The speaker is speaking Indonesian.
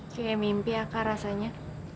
kayak mimpi aka rasanya